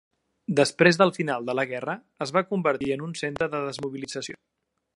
Després del final de la guerra, es va convertir en un centre de desmobilització.